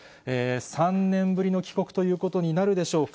３年ぶりの帰国ということになるでしょうか。